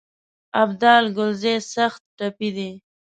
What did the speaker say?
ابدال کلزايي سخت ټپي دی.